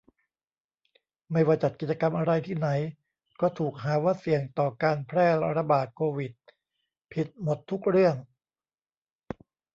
ไม่ว่าจัดกิจกรรมอะไรที่ไหนก็ถูกหาว่าเสี่ยงต่อการแพร่ระบาดโควิด ผิดหมดทุกเรื่อง